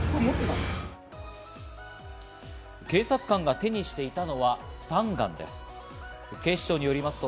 警察官が手にしていたのはスタンガンです。